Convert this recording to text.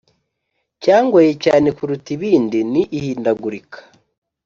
cyangoye cyane kuruta ibindi ni ihindagurika